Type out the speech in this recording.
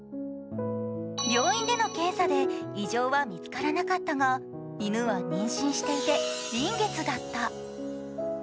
病院での検査で異常は見つからなかったが犬は妊娠していて、臨月だった。